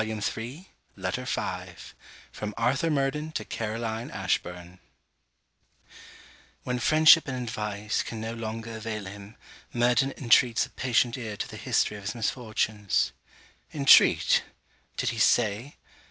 SIBELLA VALMONT LETTER V FROM ARTHUR MURDEN TO CAROLINE ASHBURN When friendship and advice can no longer avail him, Murden intreats a patient ear to the history of his misfortunes. Intreat! Did he say?